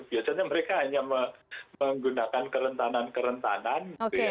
biasanya mereka hanya menggunakan kerentanan kerentanan